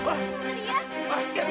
gak usah pake uang